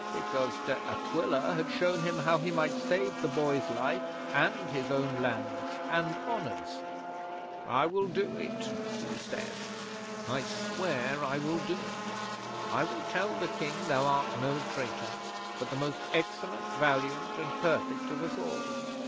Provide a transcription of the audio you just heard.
Because De Aquila had shown him how he might save the boy's life and his own lands and honours. "I will do it," he said. "I swear I will do it. I will tell the King thou art no traitor, but the most excellent, valiant, and perfect of us all.